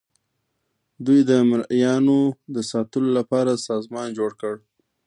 دوی د مرئیانو د ساتلو لپاره سازمان جوړ کړ.